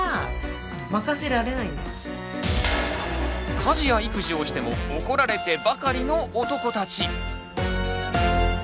家事や育児をしても怒られてばかりの男たち。